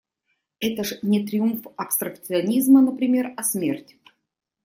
Это ж не триумф абстракционизма, например, а смерть…